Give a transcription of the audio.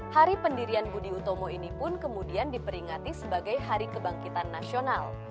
hari pendirian budi utomo ini pun kemudian diperingati sebagai hari kebangkitan nasional